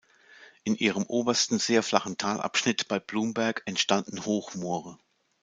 In ihrem obersten, sehr flachen Talabschnitt bei Blumberg entstanden Hochmoore.